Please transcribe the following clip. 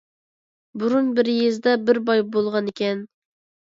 بۇرۇن بىر يېزىدا بىر باي بولغانىكەن.